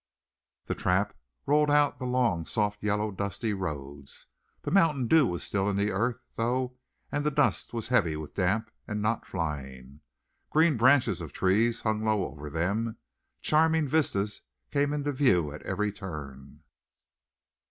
The trap rolled out along the soft, yellow, dusty roads. The mountain dew was still in the earth though and the dust was heavy with damp and not flying. Green branches of trees hung low over them, charming vistas came into view at every turn.